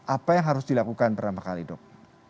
apa yang harus dilakukan pertama kali dok